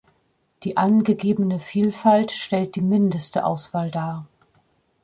Die angegebene Vielfalt stellt die mindeste Auswahl dar.